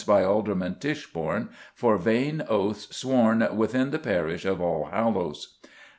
by Alderman Tichbourne for vain oaths sworn" within the parish of Allhallows.